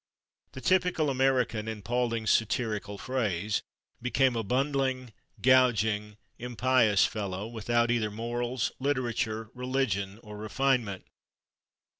The typical American, in Paulding's satirical phrase, became "a bundling, gouging, impious" fellow, without either "morals, literature, religion or refinement."